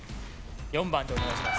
４番でお願いします。